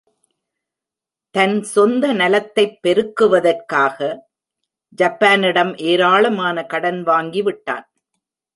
தன் சொந்த நலத்தைப் பெருக்குவதற்காக ஜப்பானிடம் ஏராளமான கடன் வாங்கிவிட்டான்.